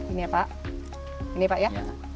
ini ya pak ini pak ya